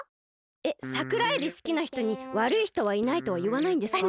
えっサクラエビすきなひとにわるいひとはいないとはいわないんですか？